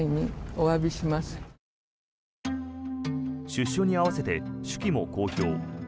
出所に合わせて手記も公表。